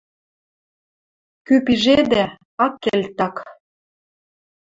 Кӱ пижедӓ — ак кел так!